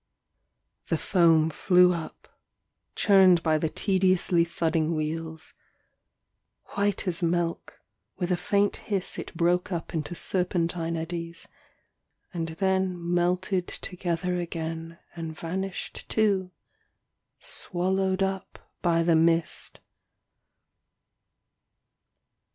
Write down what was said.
The foam flew up, churned by the tediously thudding wheels ; white as milk, with a faint hiss it broke up into serpentine eddies, and then melted together again and vanished too, swallowed up by the mist.